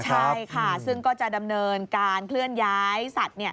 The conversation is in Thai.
ใช่ค่ะซึ่งก็จะดำเนินการเคลื่อนย้ายสัตว์